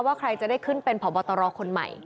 ว่าใครจะได้ขึ้นเป็นพตรคนใหม่